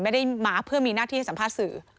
ไม่ได้มาเพื่อมีหน้าที่ให้สัมภาษณ์สื่อ